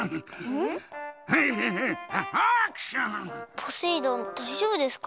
ポセイ丼だいじょうぶですか？